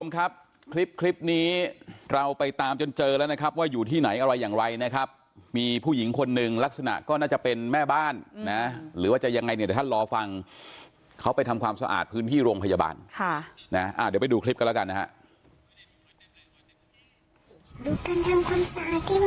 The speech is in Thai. ครับคลิปนี้เราไปตามจนเจอแล้วนะครับว่าอยู่ที่ไหนอะไรอย่างไรนะครับมีผู้หญิงคนหนึ่งลักษณะก็น่าจะเป็นแม่บ้านนะหรือว่าจะยังไงเนี่ยเดี๋ยวท่านรอฟังเขาไปทำความสะอาดพื้นที่โรงพยาบาลค่ะนะเดี๋ยวไปดูคลิปกันแล้วกันนะฮะ